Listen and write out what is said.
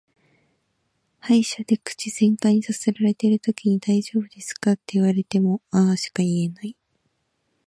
歯医者で口全開にさせられてるときに「大丈夫ですか」って言われもも「あー」しか言えない。